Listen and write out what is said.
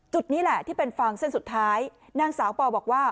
นี่แหละที่เป็นฟางเส้นสุดท้ายนางสาวปอบอกว่า